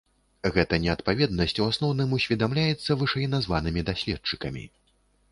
Гэта неадпаведнасць у асноўным усведамляецца вышэйназванымі даследчыкамі.